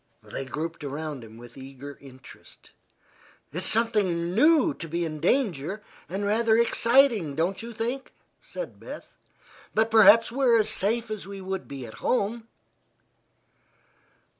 They grouped around him with eager interest. "It's something new to be in danger, and rather exciting, don't you think?" said Beth. "But perhaps we're as safe as we would be at home."